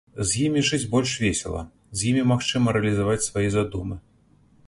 З імі жыць больш весела, з імі магчыма рэалізаваць свае задумы.